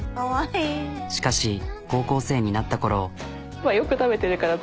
しかし高校生になったころ。